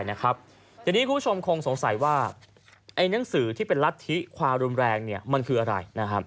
ทีนี้คุณผู้ชมคงสงสัยว่าหนังสือที่เป็นรัฐธิความรุนแรงมันคืออะไร